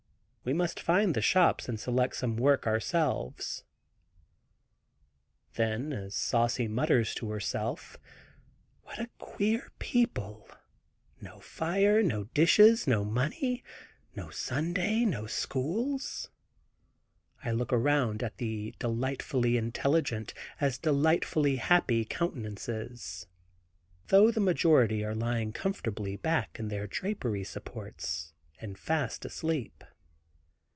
We must find the shops and select some work ourselves." Then, as Saucy mutters to herself, "What a queer people; no fire, no dishes, no money, no Sunday, no schools," I look around at the delightfully intelligent, as delightfully happy countenances; though the majority are lying comfortably back in their drapery supports and fast asleep.